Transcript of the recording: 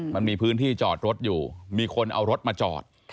มันมีพื้นที่จอดรถอยู่มีคนเอารถมาจอด